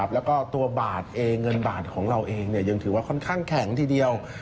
แล้วก็ตัวบาทเองเงินบาทของเราเองยังถือว่าค่อนข้างแข็งทีเดียว